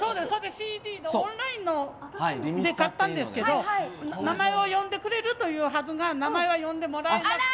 ＣＤをオンラインで買ったんですけど名前を呼んでくれるというはずが名前は呼んでもらえなくて。